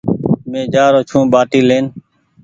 مين جآرو ڇون ٻآٽي لين ۔